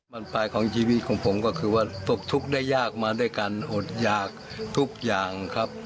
มันปลายของชีวิตของผมก็คือว่าตกทุกข์ได้ยากมาด้วยกันอดยากทุกอย่างครับ